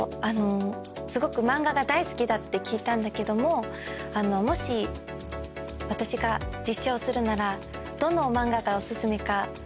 あのすごく漫画が大好きだって聞いたんだけどももし私が実写をするならどの漫画がお薦めか。